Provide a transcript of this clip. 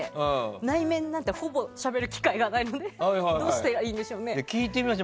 内面なんてほぼしゃべる機会がないのでどうしたらいいでしょう？